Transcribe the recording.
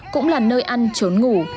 cũng là nơi ăn trốn ngủ